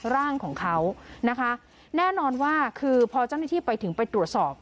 ร่างของเขานะคะแน่นอนว่าคือพอเจ้าหน้าที่ไปถึงไปตรวจสอบ